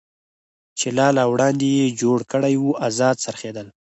چې لا له وړاندې یې جوړ کړی و، ازاد څرخېدل.